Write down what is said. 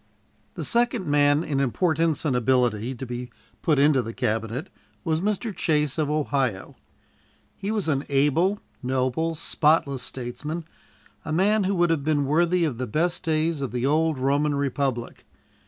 The second man in importance and ability to be put into the Cabinet was Mr. Chase, of Ohio. He was an able, noble, spotless statesman, a man who would have been worthy of the best days of the old Roman republic.